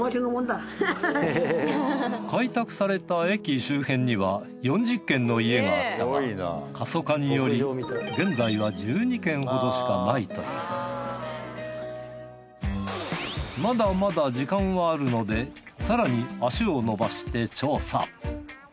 開拓された駅周辺には４０軒の家があったが過疎化により現在は１２軒ほどしかないというまだまだ時間はあるのでさらに足をのばして調査。